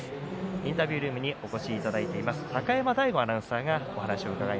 インタビュールームにお越しいただいています。